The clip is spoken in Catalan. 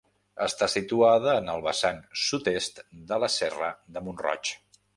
Està situada en el vessant sud-est de la serra de Mont-roig.